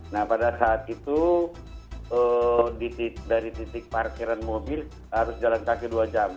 nah pada saat itu dari titik parkiran mobil harus jalan kaki dua jam